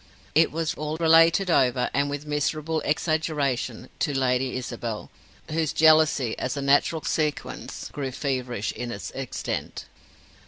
It was all related over, and with miserable exaggeration, to Lady Isabel, whose jealousy, as a natural sequence, grew feverish in its extent.